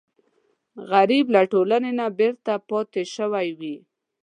غریب له ټولنې نه بېرته پاتې شوی وي